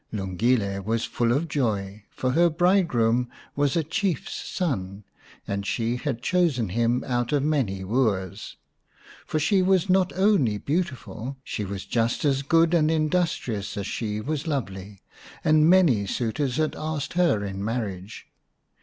Lungile was full of joy, for her bridegroom was a Chiefs son, and she had chosen him out of many wooers. For she was not only beautiful ; she was just as good and industrious as she was lovely, and many suitors had asked her in marriage.